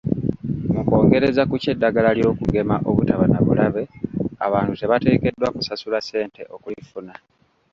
Mu kwongereza ku ky'eddagala ly'okugema obutaba na bulabe, abantu tebateekeddwa kusasula ssente okulifuna.